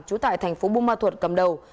trú tại tp bù ma thuật cầm đầu